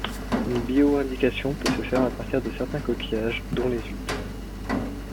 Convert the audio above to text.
Une bioindication peut se faire à partir de certains coquillages, dont les huitres.